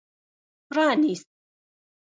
پرانېست.